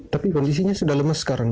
tapi kondisinya sudah lemah sekarang